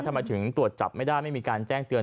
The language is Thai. ทำไมถึงตรวจจับไม่ได้ไม่มีการแจ้งเตือน